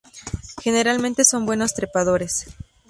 Generalmente son buenos trepadores.